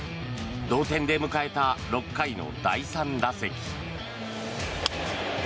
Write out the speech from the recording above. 同点で迎えた６回の第３打席。